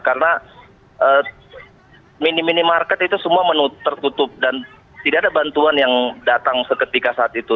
karena mini mini market itu semua menu terkutup dan tidak ada bantuan yang datang seketika saat itu